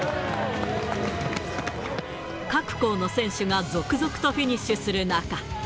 各校の選手が続々とフィニッシュする中。